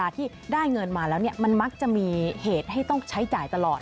ที่ได้เงินมาแล้วมันมักจะมีเหตุให้ต้องใช้จ่ายตลอด